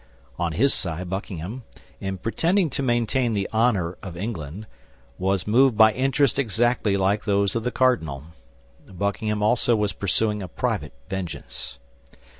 On his side Buckingham, in pretending to maintain the honor of England, was moved by interests exactly like those of the cardinal. Buckingham also was pursuing a private vengeance.